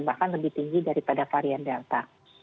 bahkan lebih tinggi daripada varian delta